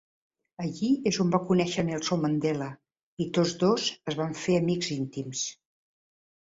Allí és on va conèixer Nelson Mandela, i tots dos es van fer amics íntims.